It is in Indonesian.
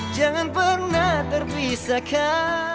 jangan pernah terpisahkan